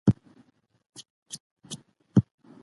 ستونزې حل کول د کورنۍ دنده ده ترڅو ماشومان خوندي او خوشحاله وي.